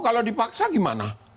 kalau dipaksa gimana